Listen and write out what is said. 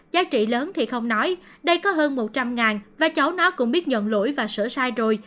giá trị lớn thì không nói đây có hơn một trăm linh và cháu nó cũng biết nhận lỗi và sửa sai rồi